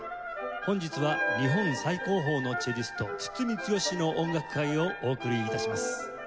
本日は「日本最高峰のチェリスト堤剛の音楽会」をお送り致します。